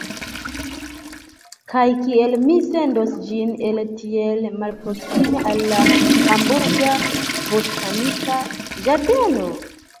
Kaj kiel mi sendos ĝin, el tiel malproksime, al la Hamburga Botanika Ĝardeno?